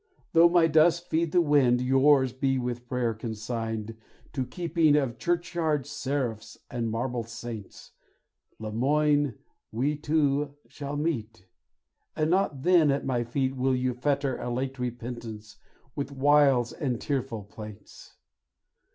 Though my dust feed the wind, Yours be with prayer consigned To the keeping of churchyard seraphs and marble saints; Lemoine, we two shall meet, And not then at my feet Will you fetter a late repentance with wiles and tearful plaints.